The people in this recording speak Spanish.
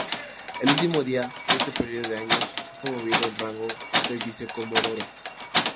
El último día de este período de años fue promovido al rango de vicecomodoro.